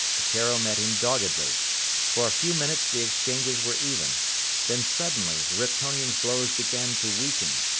Peteiro met him doggedly. For a few moments the exchanges were even. Then suddenly the Riptonian's blows began to weaken.